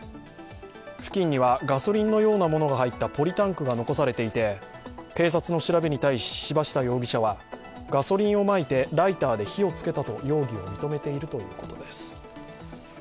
付近にはガソリンのようなものが入ったポリタンクが残されていて、警察の調べに対し、柴下容疑者はガソリンをまいてライターで火をつけたと容疑を認めているということです。